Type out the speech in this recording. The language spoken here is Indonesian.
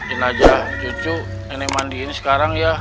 in aja jujuk nenek mandiin sekarang ya